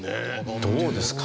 どうですか？